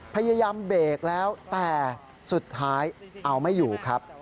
พยายามเบรกแล้วแต่สุดท้ายเอาไม่อยู่ครับ